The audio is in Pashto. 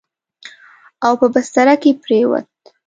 او په بستره کې پرېووت.